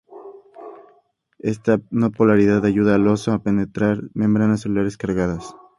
Esta no-polaridad ayuda al OsO a penetrar las membranas celulares cargadas.